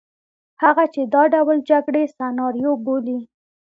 هغه چې دا ډول جګړې سناریو بولي.